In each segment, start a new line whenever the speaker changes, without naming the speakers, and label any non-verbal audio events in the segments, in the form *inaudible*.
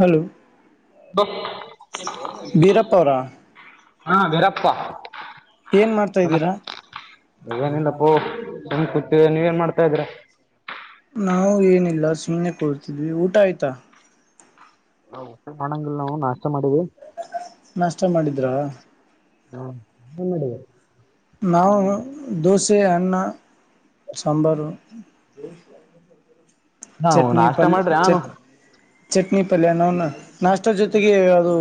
Hello *unintelligible* Beerappa ಅವರಾ.
ಹಾ ವೇರಪ್ಪ.
ಏನ್ ಮಾಡ್ತಾದೀರಾ.
ಈನಿಂದಪ್ಪೋ ತುಮ ಕುಟ್ಟ ನೀವ ನ್ ಮಾಡ್ತಾ ಇದೀರ *unintelligible*
ನಾವು ಏನಿಲ್ಲ ಸೀಣೆ ಕೊಡ್ತಿದ್ವಿ ಊಟ ಆಯ್ತಾ
ಪಣಂಗಲ್ಲ ನಾ *unintelligible*
ನಷ್ಟ ಮಾಡಿದ್ರ.
ಹಾನ್ನಡಿ.
ನಾವು ದೋಸೆ ಅನ್ನ. ಸಾಂಬಾರು.
ಹಾ
ಚಟ್ನಿ
ನಾಷ್ಟ
ಪಲ್ಯ
ಮಾಡ್ರಿ ನಾನು
ಚಟ್ ಚಟ್ನಿ ಪಲ್ಯ ನ ನಾಷ್ಟದ ಜೊತೆಗೆ ಅದು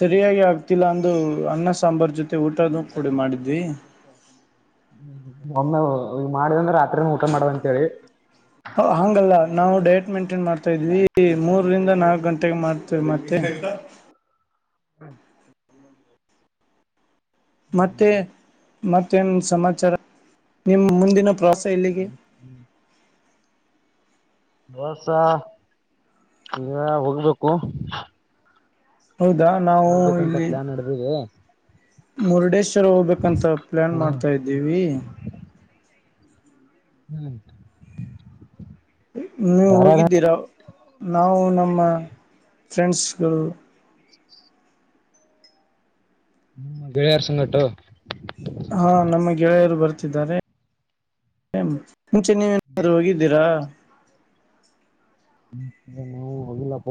ಸರಿಯಾಗಿ ಆಗ್ತಿಲ್ಲ ಅಂದು ಅನ್ನ ಸಾಂಬಾರು ಜೊತೆ ಊಟದ ಕೂಡಿ ಮಾಡಿದ್ವಿ.
ಒಮ್ಮೆ ಈ ಮಾಡಿದಂದ್ರ ರಾತ್ರಿನ ಊಟ ಮಾಡವಂಂತ ಹೇಳಿ
ಹಂಗಲ್ಲ ನಾವು ಡೈಟ್ ಮೇಂಟೇನ್ ಮಾಡ್ತಾ ಇದ್ವಿ ಮೂರರಿಂದ ನಾಲ್ಕು ಗಂಟೆಗೆ ಮಾಡ್ತೇವಿ ಮತ್ತೆ.
ಹ್ಮ..
ಮತ್ತೆ.. ಮತ್ತೇನ್ ಸಮಾಚಾರ ನಿಮ ಮುಂದಿನ ಪ್ರಸ್.
ಹ. ಬೋಸ ಈಗ ಹೋಗ್ಬೇಕು.
ಹೌದಾ ನಾವು
ಹೋಗ್ಬೇಕಂತ
ಇಲ್ಲಿ
ಪ್ಲಾನ್ ನಡ್ದಿದೆ
ಮುರುಡೇಶ್ವರ ಹೋಗ್ಬೇಕಂತ ಪ್ಲಾನ್
ಹ್ಮ್
ಮಾಡ್ತಾ ಇದ್ದೀವಿ.
ಹ್ಮ್.
ನೀವು ಹೋಗಿದ್ದೀರಾ. ನಾವು ನಮ್ಮ ಫ್ರೆಂಡ್ಸ್ಗಳು.
ನಿಮ್ಮ ಗೆಳೆಯಾರ ಸಂಗಟು.
ಹಾ ನಮ್ಮ ಗೆಳೆಯರು ಬರ್ತಿದ್ದಾರೆ ಮುಂಚೆ ನೀವನಾದೂ ಹೋಗಿದ್ದೀರಾ.
ಹ್ಮ ನೀವು ಹೋಗಿಲ್ಲಪ್ಪ.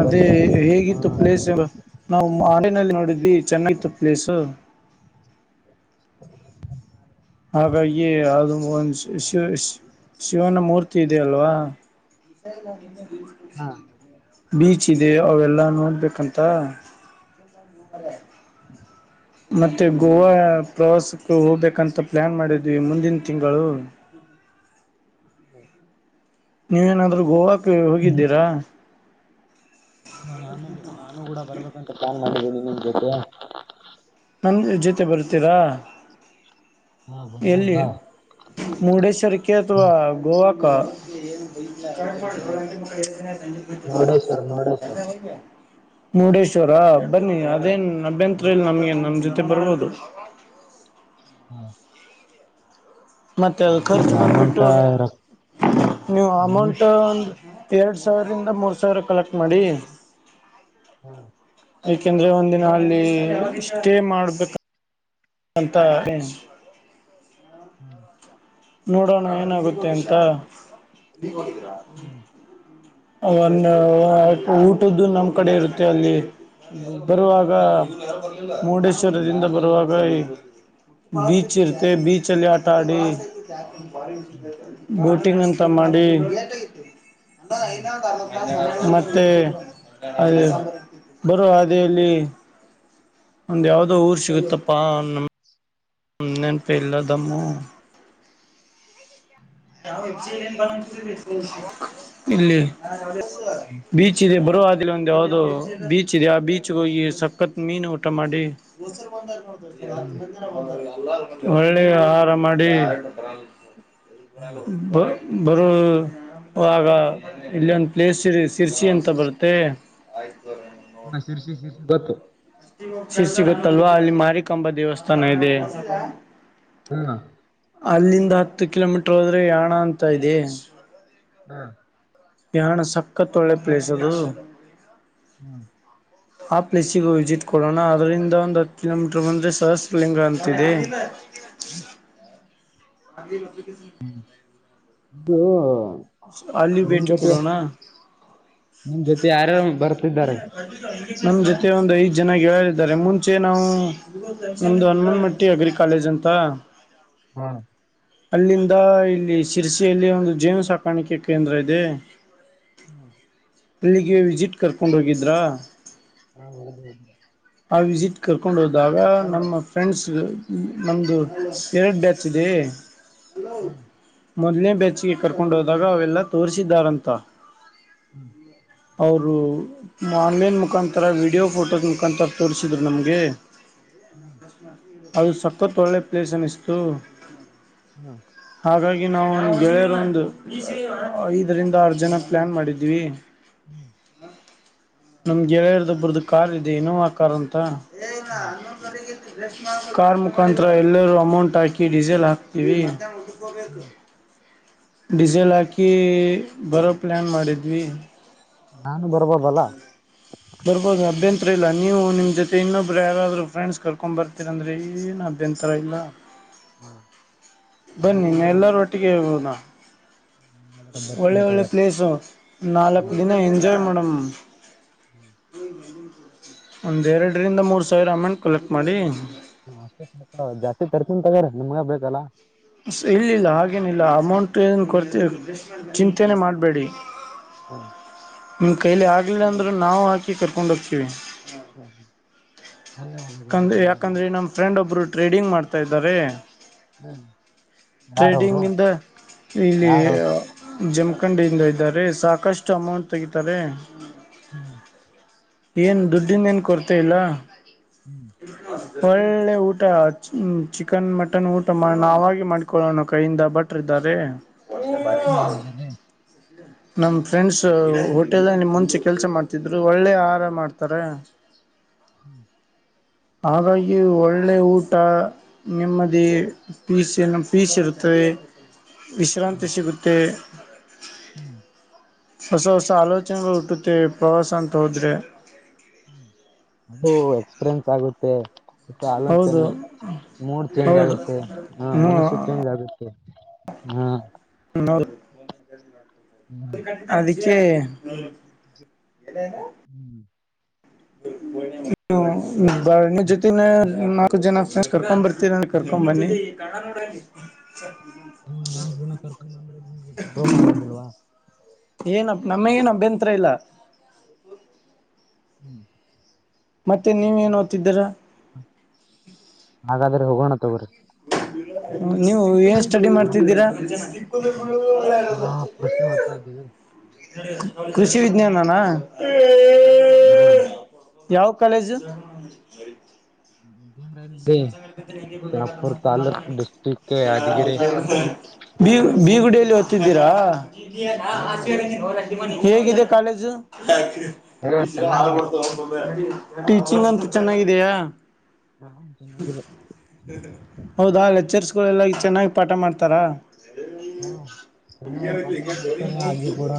ಅದೇ ಹೇಗಿತ್ತು ಪ್ಲೇಸ್ ನಾವು ಆನ್ಲೈನ್ಲ್ಲಿ ನೋಡಿದ್ವಿ ಚೆನ್ನಾಗಿತ್ತು ಪ್ಲೇಸ್. ಹಾಗಾಗಿ ಅದು ಒಂದು ಶಿವನ ಮೂರ್ತಿ ಇೆಯ ಅಲ್ವಾ.
ಹಾ.
ಬೀಚ್ ಇದೆ ಅವೆಲ್ಲಾ ನೋಡ್ಬೇಕಂತ. ಮತ್ತೆ ಗೋವಾ ಪ್ರವಾಸಕ್ಕೆ ಹೋಗ್ಬೇಕಂತ ಪ್ಲಾನ್ ಮಾಡಿದ್ವಿ ಮುಂದಿನ ತಿಂಗಳು.
ಹಾ.
ನೀವ ಏನಾದ್ರು ಗೋವಾ. ಹೋಗಿದ್ದೀರಾ.
ನಾನು ನಾನು ಕೂಡ ಬರ್ಬೇಕಂತ ಪ್ಲಾನ್ ಮಾಡಿದ್ದೀನಿ. ಹದ.
ನನ್ನ ಜೊತೆ ಬರ್ತೀರಾ.
ಹಾ
ಎಲ್ಲಿ
ಬರ್ಬೋದಾ
ಮುರುಡೇಶ್ವರಕ್ಕೆ ಅಥವಾ ಗೋವಾಕ. *unintelligible* ಹ್ಮ್ಮ್.
ನೋಡ ಸರ್ ನೋಡ ಸರ್
ಮುರುಡೇಶ್ವರ ಬನ್ನಿ ಅದೇನ್. ನೆಂತ್
ಹಾ
ಇ ನಮಗೆಏ ನಮ್ದ. ಬರ್ಬೋದು.
ಹಾ.
ಮತ್ತೆ ಅ ಖರ್ಚು
ಅಮೌಂಟ
ಬಂದ್ಬಿಟ್ಟು
ರಕ್
ನೀವು
ಹ್ಮ್
ಅಮೌಂಟ್ ಒಂದು. ಎರಡು ಸಾವಿರದಿಂದ ಮೂರು ಸಾವಿರ ಕಲೆಕ್ಟ್ ಮಾಡಿ.
ಹ್ಮ.
ಯಏಕೆಂದ್ರೆ ಒಂದಿನ ಅಲ್ಲಿ ಸ್ಟೇ ಮಾಡ್ಬೇಕ. ಬಂತ ಹ.
ಹ್ಮ್.
ನೋಡೋಣ ಏನಾಗುತ್ತೆ ಎಂತ.
ಹ.
ಒನ್ ಊಟದ್ದು ನಮ್ ಕಡೆ ಇರುತ್ತೆ ಅಲ್ಲಿ ಬರುವಾಗ ಮುರುಡೇಶ್ವರದಿಂದ ಬರುವಾಗ ಈ ಬೀಚ್ ಇರುತ್ತೆ ಬೀಚ್ ಅಲ್ಲಿ ಆಟ ಆಡಿ. ಹ. ಟಿಂಗ್ ಅಂತ ಮಾಡಿ.
ಹ್ಮ್
ಮತ್ತೆ ಅದು. ಬರುವೋ ಅೇಲ್ಲಿ ಒಂದ್ ಯಾವ್ದೋ ಊರ್ ಸಿಗುತ್ತಪ್ಪಾ ನ. ನ ನನ್ ಪಲ್ಲದಮ್ಮ. ಇಲ್ಲಿ. ಬೀಚ ಇರೆ ಬ. ಬ ಅ ಒಂದ ಯಾವ್ದೋ ಬೀಚ್ ಇದೆ ಆ ಬೀಚ್ಗೆ ಹೋಗಿ ಸಖತ್ ಮೀನು ಊಟ ಮಾಡಿ. ಾತ್ ತರ
ಹ್ಮ್
ಬಂದ ರ ಒಳ್ಳೆ ಆಹಾರ ಮಾಡಿ.
ಹ್ಮ್
ಹ. ಬರೋ ಆಾಗ ಇಲ್ಲಿೊಂದು ಪ್ಲೇಸ್ ಇ. ತಿರ್ಚಿ ಅಂತ ಬರುತ್ತೆ. ಆಯ್ಕ.
ಹಾ ಶರ್ಸಿ ಶರ್ಸಿ ಗೊತ್ತು.
ಸಿ ಸಿಗುತ್ತಲ್ವಾ ಅಲ್ಲಿ ಮಾರಿಕಂಬ ದೇವಸ್ಥಾನ ಇದೆ.
ಹ್ಮ ಹಾ
ಅಲ್ಲಿಂದ ಹತ್ತು ಕಿಲೋಮೀಟರ್. ಯಣ ಅಂತ ಇದೆ.
ಹಾ.
ಯಾನ ಸಕ್ಕತ್ ಒಳ್ಳೆ ಪ್ಲೇಸ್ ಅದು.
ಹ್ಮ್.
ಆ ಪ್ಲೇಸಿಗೂ ವಿಸಿಟ್ ಕೊಡೋಣ ಅದರಿಂದ ಒಂದು್ ಹತ್ತು ಕಿಲೋ ಮೀಟರ್ ಬಂದ್ರೆ ಸಹಸ್ರಲಿಂಗ ಅಂತಿದೆ.
ಹ್ಮ.
ಅದೇ. ಹ.
ಇ್ದ *inaudible* ನಿಮ
ಭೇಟಿ
ಜೊತೆ
ಕೊಡೋಣ
ನಿಮ ಜೊತೆ ಆರಾಮ.
ಹ್ಮ ಕಟ್ಟಿತ. ನಮ್ ಜೊತೆ ಒಂದ್ ಐದ್ ಜನ ಗೆಿದ್ದಾರೆ ಮುಂಚೆ ನಾವು ನಮ್ದು ಹನುಮನ್ಮಟ್ಟಿ ಅಗ್ರಿ ಕಾಲೇಜ್ ಅಂತ.
ಹ್ಮ.
ಅಲ್ಲಿಂದ ಇಲ್ಲಿ ಸಿರ್ಸಿಯಲ್ಲಿ ಒಂದು ಜೇನು ಸಾಕಾಣಿಕೆ ಕೇಂದ್ರ ಇದೆ.
ಹ್ಮ್.
ಇಲ್ಲಿಗೆ ವಿಸಿಟ್ ಕರ್ಕೊಂಡು ಹೋಗಿದ್ರಾ.
ಹ ಹೌದುೌದು.
ಆ ವಿಸಿಟ್ ಕರ್ಕೊಂಡು ಹೋದಾಗ ನಮ್ಮ ಫ್ರೆಂಡ್ಸ್ ನಮ್ದ ಎರಡ್ ಡ್ಯಾತ್ ಇದೆ. ಹ.
ಹಾ
ಮೊದಲನೇ ಬೇಚ್ಿಗೆ ಕರ್ಕೊಂಡು ಹೋದಾಗ ಅವೆಲ್ಲ ತೋರಿಸಿದ್ದಾರಂತ.
ಹ್ಮ್
ಅವರು ಆನ್ಲೈನ್ ಮುಖಾಂತರ ವೀಡಿಯೋ ಫೋಟೋಸ್ ಮುಖಾಂತರ ತೋರಿಸಿದ್ರು ನಮ್ಗೆ. *unintelligible* ಅದು ಸಕ್ಕತ್ ಒಳ್ಳೆ ಪ್ಲೇಸ್ ಅನ್ನಿಸ್ತು.
ಹ್ಮ
ಹಾಗಾಗಿ ನಾವು ಗೆಳೆಯರ ಒಂದು ಐದರಿಂದ ಆರು ಜನ ಪ್ಲಾನ್ ಮಾಡಿದೀವಿ
ಹ್ಮ
ನಮ್ ಗೆಳೆಯ ಇರ್ದೊಬ್ಬರ್ದ ಕಾರ್ ಇದೆ ವಿನೋವ ಕಾರ್ ಅಂತ. *unintelligible* ಕಾರ್ ಮುಖಾಂರ ಎಲ್ಲರೂ ಅಮೌಂಟ್ ಹಾಕಿ ಡೀಸೆಲ್ ಹಾಕ್ತೀವಿ *unintelligible* ಡೀಸೆಲ್ ಹಾಕಿ ಬರೋ ಪ್ಲಾನ್ ಮಾಡಿದ್ವಿ.
ನಾನು ಬರ್ಬೋದಲ್ಲ.
ಬರ್ಬೋದು ಅಭ್ಯಂತರ ಇಲ್ಲ ನೀವು ನಿಮ್ ಜೊತೆ ಇನ್ನೊಬ್ರ ಯಾರಾದ್ರು ಫ್ರೆಂಡ್ಸ್ ಕರ್ಕೊಂಡ್ ಬರ್ತೀರ ಅಂದ್ರೆ ಏನ್ ಅಭ್ಯಂತ ತರ ಇಲ್ಲ.
ಹಾ
ಬನ್ನಿ ಎಲ್ಲರ ಒಟ್ಟಿಗೆ ಹೋಗೋಣ. *inaudible* ಒಳ್ಳೆ
ಬರ್ತೀನಿ
ಒಳ್ಳೆ
ತಗರಿ
ಪ್ಲೇಸು ನಾಲ್ಕು ದಿನ ಎಂಜಾಯ್ ಮಾಡೋ ಹೂಂ ಹ್ಮ ಹ್ಮ್ ಹ್ಮ ಒಂದೆರಡರಿಂದ ಮೂರು ಸಾವಿರ ಅಮೌಂಟ್ ಕಲೆಕ್ಟ್ ಮಾಡಿ.
ಜಾಸ್ತಿ ತರ್ತನ್ ತಗ್ರ ನಿಮ್ಗ ಬೇಕಲ್ಲಾ.
ಸರಿ ಹಾಗೇನಿಲ್ಲ ಅಮೌಂಟ್ ಏನು ಕೊಡ್ತೀವಿ ಚಿಂತೆನೆ ಮಾಡಬೇಡಿ.
ಹಾ
ನಿಮ್ಮ ಕೈಲಿ ಆಗಲಿಲ್ಲ ಅಂದ್ರೆ ನಾವು ಹಾಕಿ ಕರ್ಕೊಂಡ ಹೋಗ್ತೀವಿ.
*unintelligible* ಧನ್ಯವಾದಗಳು
ಯಾಂದ್ರ
ಧನ್ಯವಾದಗಳು
ಯಾಕಂದ್ರೆ ನಮ ಫ್ರೆಂಡ್ ಒಬ್ರು ಟ್ರೇಡಿಂಗ್ ಮಾಡ್ತಾ ಇದಾರೆ
ಹ್ಮ್ ಯಾರವರು
ಟ್ರೇಡಿಂಗ್ ಇಂದ ಇಲ್ಲಿ
ಯಾರು
ಜಮ ಕಕಂಡಿಯಿಂದ ಇದ್ದಾರೆ ಸಾಕಷ್ಟು ಅಮೌಂಟ್ ತೆಗೀತಾರೆ.
ಹ್ಮ್
ಏನ್ ದುಡ್ಡಿಂದ ಏನ್ ಕೊರತೆ ಇಲ್ಲ.
ಹ್ಮ್
*unintelligible* ಒಳ್ಳೆ ಊಟ ಚಿಕನ್ ಮಟನ್ ಊಟ ನಾಗ ಮಾಡಿಕೊಳ್ಳೋಣ ಕೈಯಿಂದ ಬ್ಯಾಟ್ರಿದರೆ.
*unintelligible*
ನಮ್ ಫ್ರೆಂಡ್ಸ್ ಹೋಟೆಲ್ ನಿಮ್ ಗೆ ಮುಂಚೆ ಕೆಲ್ಸ ಮಾಡ್ತಿದ್ರು ಒಳ್ಳೆ ಮಾಡ್ತಾರೆ
ಹ್ಮ್
ಹಾಗಾಗಿ ಒಳ್ಳೆ ಊಟ ನೆಮ್ಮದಿ ಪೀಸ ಪೀಸ್ ಇರುತ್ತದೆ. ವಿಶ್ರಾಂತಿ
ಹ್ಮ್
ಸಿಗುತ್ತೆ. ಹದದು.
ಹ್ಮ್.
ಹೊಸ ಹೊಸ ಆಲೋಚನೆಗಳು ಹುಟ್ಟುತ್ತೆ ಪ್ರವಾಸ ಅಂತ ಹೋದ್ರೆ.
ಹ್ಮ ಅದು ಎಕ್ಸ್ಪೀರಿಯನ್ಸ್. ತ್ತಾಗತ್ತೆ. ಸ
ಹೌದು
ಅಲಂತನೆ ಮೂಡ್ ಚೇಂಜ್
ಹೌದು
ಆಗುತ್ತೆ ಹಾ
ಹ್ಮ
ಮನಸ್ಸು ಚೇಂಜ್ ಆಗುತ್ತೆ ಹ್ಮ.
ಹಂದ. ಅದ. *unintelligible*
ಹ್ಮ್.
ಹ. ಬರ್ಣ ಜತೆನ ನಕ ಜನ. ನ ಕರ್ಕೊಂಡ್ ಬರ್ತೀರ ನನ್ ಕರ್ಕೊಂಡ್ ಬನ್ನಿ.
ನೀವ್ ನಾಲ್ಕು ದಿನ ಕರ್ಕೊಂಡ್ ಬಂದ್ರೆ ನಿಮ್ಗೆ ಪ್ರಾಬ್ಲಮ್
*unintelligible*
ಆಗೋದಿಲ್ವಾ
ಏನ ನಮ ಏನ್ ಅಭ್ಯಂತರ ಇಲ್ಲ.
ಹ್ಮ್.
ಮತ್ತೆ ನೀವ ಏನ್ ಓ್ತಿದ್ದೀರಾ.
ತರ್
ಹ್ಮ. ನೀವು ಏನ್ ಸ್ಟಡಿ ಮಾಡ್ತಿದ್ದೀರಾ. ಹೌದ.
ನಾ ಖೃಷಿ ಮಾಡರ್ತಾ ಇದ್ದೀವಿ.
ಕೃಷಿ ವಿಜ್ಞಾನನಾ.
ಹಾ.
ಯಾವ ಕಾಲೇಜು.
ಹ್ಮ್ಮ. ತಾಲೂಕ್ ಡಿಸ್ಟಿಕ್ ಯಾದಗಿರಿ
ಬಿಗುಡಲಿ. ಿದ್ದೀರಾ. *unintelligible* ಹೇಗಿದೆ ಕಾಲೇಜು. ಈಷ
ಚೆನ್ನಾಗಿದೆ
ಹಾಳಬಡ್ತವೆೆಿ. ಟೀಚಿಂಗ್ ಅಂತ ಚೆನ್ನಾಗಿದೆಯಾ.
ಚೆನ್ನಾಗಿದೆ
ಹೌದಾ ಲೆಕ್ಚರ್. ಎಲ್ಲ ಚೆನ್ನಾಗಿ ಪಾಠ ಮಾಡ್ತಾರಾ.
ಹ ಚನ್ನಾಗಿ ಪಪ ಮಾಡ್ತಾರೆ ಅಡ್ಗೆ ಕೂಡ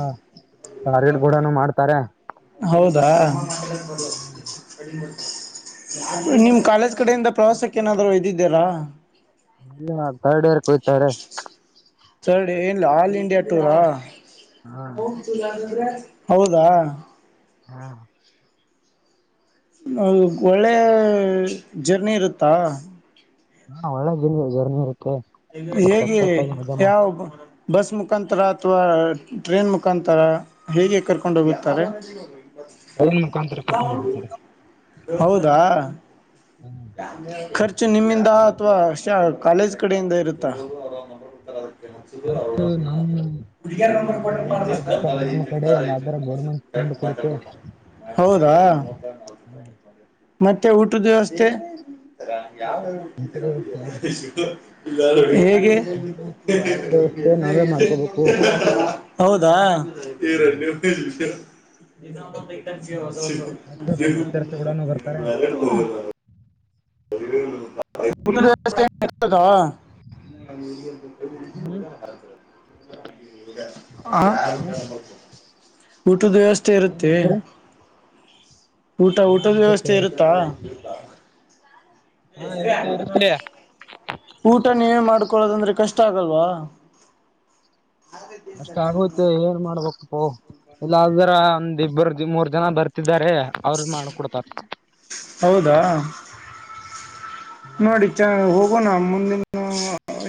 ಬಾರ್ಡ್ ಕೂಡನು ಮಾಡ್ತಾರೆ.
ಹೌದಾ *unintelligible* ಅಡಿ ನಿಮ ಕಾಲಜ *unintelligible* ಕಡೆಯಿಂದ ಪ್ರವಾಸಕ್ಕೆ ಏನಾದ ಇದ್ದಿದ್ದೀರಾ
ಅಲ್ಲ ಕರ್ಡವರ್ ಕಯ್ತಾರೆ *unintelligible* ಹ *unintelligible*
ಸರ್ಡಿ ಏನ್ ಆಲ್ ಇಂಡಿಯಾ ಟೂರಾ
ಹಾ
*unintelligible* ಹೋಗ *unintelligible* ಹೌದಾ.
ಹಾ.
ಒಳ್ಳೆ ಜರ್ನಿ ಇರುತ್ತಾ.
ಹಾ ಒಳ್ಳೆದಿದ್ದೀ ನೀವು ಜರ್ನಿ ಇರುತ್ತೆ.
ಹೇಗೆ
ಸಕ್ಕತ್ತಾಗಿ ಮಜಾ
*unintelligible*
ಮಾಡ್
ಯಾವ ಬಸ್ ಮುಖಾಂತರ ಅಥವಾ ಟ್ರೈನ್ ಮುಖಾಂತರ ಹೇಗೆ ಕರ್ಕೊಂಡ ಹೋಗಿರ್ತಾರೆ.
ಟ್ರೈನ್ ಮುಖಾಂತರ ಕರ್ಕೊಂಡು ಹೋಗ್ತಾರೆ
ಹೌದಾ
ಹ್ಮ
*unintelligible* ಖರ್ಚು ನಿಮ್ಮಿಂದ ಅಥವಾ ಕಾಲೇಜ್. ಕಡೆಯಿಂದ ಇರುತ್ತ.
ರ್ತ ನಮ್ಮ್ಮ ಏನಾದ್ರ ಬೇಕಾದ್ರೆ ನಮ್ಮ ಕಡೆಲ್ಲ ಅದರ ಗೌರ್ಮೆಂಟ್ ಫಂಡ್ ಕೊಡುತ್ತೆ
ಹೌದಾ
ಹ
ಮತ್ತೆ ಊಟದ ವ್ಯವಸ್ಥೆ ಯಾವ
ಇಂಥದೇ ವ್ಯವಸ್ಥೆ
ನಮಗೆ *unintelligible* *unintelligible* ಹೇಗೆ *unintelligible*
ಇಂಥದೇ ವ್ಯವಸ್ಥೆ ನಾವೇ ಮಾಡ್ಕೋಬೇಕು
ಹೌದಾ ಇ ಹ
ಲೆಕ್ಚರ್ಸ್ ಕೂಡನು ಬರ್ತಾರೆ
*unintelligible* *unintelligible* ಪ *unintelligible*
ಹ್ಮ್
ಹ
ಏನು
ಊಟದ ವ್ಯವಸ್ಥೆ
ಏನ್
ಇರುತ್ತೆ *unintelligible*
ಹೇಳಿದ್ರಿ
ಊಟ
ಹಾ
ಊಟದ
ಇರುತ್ತೆ
ವ್ಯವಸ್ಥೆ
ಇರುತ್ತೆ
ಇರುತ್ತಾ
ಹಾ ಇರುತ್ತೆ ಇರುತ್ತ
ಊಟ ನೀವೇ ಮಾಡ್ಕೊಳ್ಳೋದಂದ್ರೆ ಕಷ್ಟ ಆಗಲ್ವಾ.
ಅಷ್ಟ ಆಗುತ್ತೆ ಏನ್ ಮಾಡ್ಬೇಕಕ್ಪ್ಪೋ. ಇಲ್ಲ ಅ್ರ ಒಂದ್ ಇಬ್ಬರು ಮೂರ್ ಜನ ಬರ್ತಿದ್ದಾರೆ. ಅವ್ರ ಮಾಡ್ಕೊಡ್ತಾರ
ಹೌದಾ ನೋಡಿ ಚ ಹೋಗ. ಹೋಗೋಣ ಮುಂದಿನ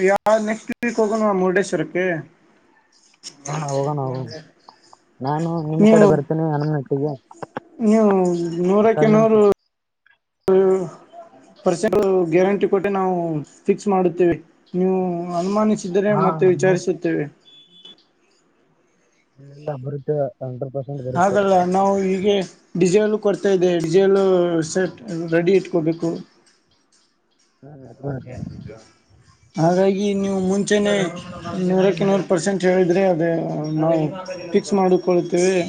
ಯಾವ ನೆಕ್ಸ್ಟ್ ವೀಕ್ ಹೋಗೋಣ ಮುರುಡೇಶ್ವರಕ್ಕೆ *unintelligible*
ಹಾ ಹೋಗೋಣ ಹೋಗೋಣ ನಾನು ನಿಮ್
ನೀವು
ಕಡೆ ಬರ್ತೇನಿ ಹನಮಹಟ್ಟಿಗೆ
ನೀವು ನೂರಕ್ಕೆ ನೂರು ಪರ್ಸೆಂಟ್ ಗ್ಯಾರಂಟಿ ಕೊಟ್ಟು ನಾವು ಫಿಕ್ಸ್ ಮಾಡುತ್ತೇವೆ. ನೀವು ಅನುಮಾನಿಸಿದರೆ
ಹಾ
ಮತ್ತೆ ವಿಚಾರಿಸುತ್ತೇವೆ.
ಇಲ್ಲ ಅಭಿವದ್ಧಿ ಕಂಡ್ರ್
ಹಾಗಲ್ಲ ನಾವು ಹೀಗೆ ಡಿಸೇಲು ಕೊಡ್ತಾ ಇದೆ ಹೇಳಿ ಜಲ್ಲ ಸೆಟ್ ರೆಡಿ ಇಟ್ ಕೊಬೇಕ್ಕು
*unintelligible*
ಹಾಗಾಗಿ ನೀವು ಮುಂಚೆನೆ ನೂರಕ್ಕೆ ನೂರು ಪರ್ಸೆಂಟ್ ಹೇಳಿದರೆ ಅದು ನಾವು ಫಿಕ್ಸ್ ಮಾಡು ಕೊಳ್ತೆವೆ.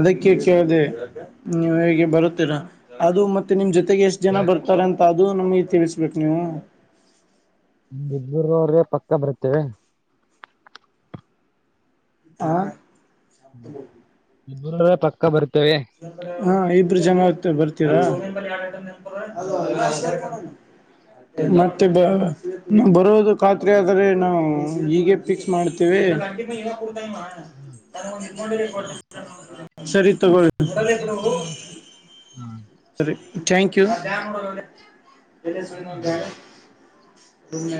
ಅದಕ್ಕೆ ಕೇಳಿದೆ ನೀವ್ ಹೇಗೆ ಬರುತ್ತೀರಾ ಅದು ಮತ್ತೆ ನಿಮ್ ಜೊತೆಗೆ ಟ್ ಜನ ಬರ್ತಾರೆ ಅಂತ ಅದು ನಮ್ಗೆ ತಿಳಿಸ್ಬೇಕ್ ನೀವು.
ನಿಮ್ ಇಬ್ಬರವರ್ಗೆ ಪಕ್ಕ ಬರ್ತ್ತೇವೆ.
ಹಾ
ಹ್ಮ ಇಬ್ರ್ ಪಕ್ಕ ಬರ್ ತೆವೆ.
ಹಾ ಇಬ್ರು ಜನತ್ತ ಬರ್ತೀರಾ. ಅದು ಮತ್ತೆ ಬ ನಾವು ಬರೋದು ಖಾತ್ರಿ ಆದರೆ ನಾವು ಹೀಗೆ ಫಿಕ್ಸ್ ಮಾಡ್ತೇವಿ. *unintelligible*
ಹ್ಮ
ಸರಿ ತಗೊಳ್
ಆಯ್ತಾಯ್ತು ತಗೋರಿ
ಸರಿ ಥ್ಯಾಂಕ್ ಯು *unintelligible*
ಧನ್ಯವಾದ
ಸುಮ್ನೆ